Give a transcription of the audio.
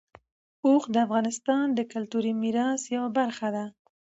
اوښ د افغانستان د کلتوري میراث یوه برخه ده.